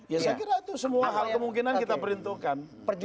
ya saya kira itu semua hal kemungkinan kita perintuhkan